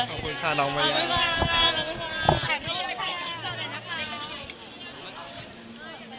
ขอบคุณชาน้องมานี้